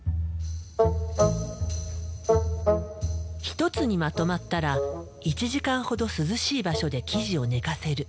一つにまとまったら１時間ほど涼しい場所で生地を寝かせる。